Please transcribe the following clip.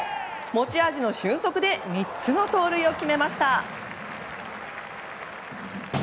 持ち味の俊足で３つの盗塁を決めました。